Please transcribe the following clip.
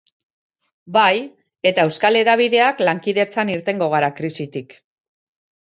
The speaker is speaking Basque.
Bai, eta euskal hedabideak lankidetzan irtengo gara krisitik.